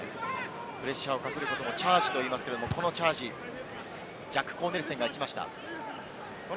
プレッシャーをかけることをチャージと言いますが、このチャージ、ジャック・コーネルセンが行きました。